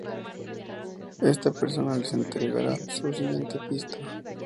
Esta persona les entregara su siguiente pista.